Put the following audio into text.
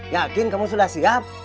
yakin kamu sudah siap